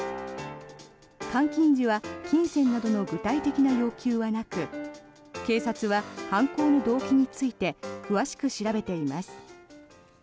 監禁時は金銭などの具体的な要求はなく警察は犯行の動機について詳しく調べています。